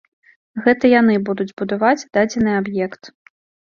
Гэта яны будуць будаваць дадзены аб'ект.